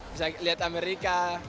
bisa lihat amerika